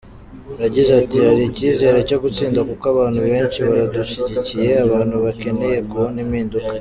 Yagize ati “Hari icyizere cyo gutsinda kuko abantu benshi baradushyigikiye, abantu bakeneye kubona impinduka.